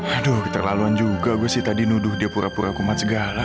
aduh keterlaluan juga gue sih tadi nuduh dia pura pura kumat segala